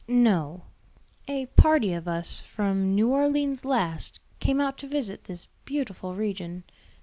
"No; a party of us, from New Orleans last, came out to visit this beautiful region.